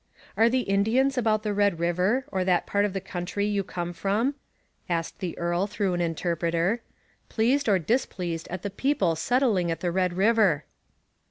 'Are the Indians about the Red River, or that part of the country you come from,' asked the earl through an interpreter, 'pleased or displeased at the people settling at the Red River?'